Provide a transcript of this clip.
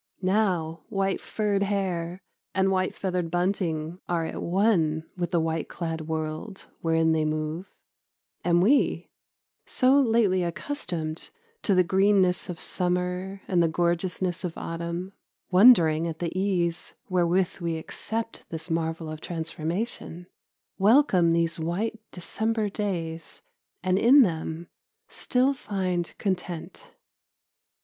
Now white furred hare and white feathered bunting are at one with the white clad world wherein they move, and we, so lately accustomed to the greenness of summer and the gorgeousness of autumn, wondering at the ease wherewith we accept this marvel of transformation, welcome these white December days and in them still find content.